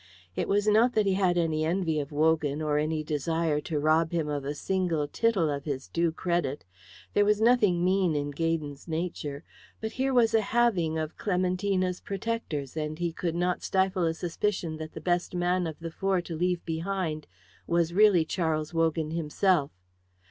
It was not that he had any envy of Wogan, or any desire to rob him of a single tittle of his due credit. There was nothing mean in Gaydon's nature, but here was a halving of Clementina's protectors, and he could not stifle a suspicion that the best man of the four to leave behind was really Charles Wogan himself.